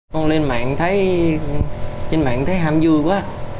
con lên mạng thấy ham vui quá